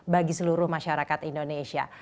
bagi seluruh masyarakat indonesia